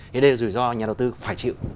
thế đây là rủi ro nhà đầu tư phải chịu